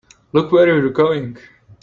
Look where you're going!